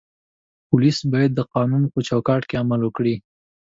پولیس باید د قانون په چوکاټ کې عمل وکړي.